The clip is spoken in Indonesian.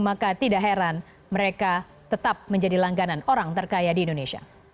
maka tidak heran mereka tetap menjadi langganan orang terkaya di indonesia